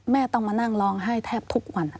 ต้องมานั่งร้องไห้แทบทุกวัน